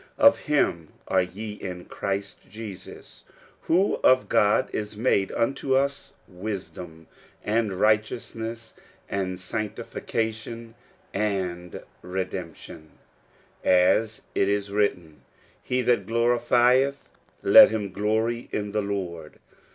" Of him are ye in Christ Jesus, who of God is made unto us wisdom, and righteousness, and sanctification, and redemption : as it is written, He that glorieth, let him glory in the Lord."